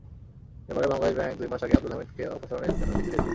এরপরে বাংলাদেশ ব্যাংক দুই মাস আগে আবদুল হামিদকে অপসারণের জন্য চিঠি দিয়েছে।